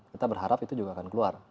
kita berharap itu juga akan keluar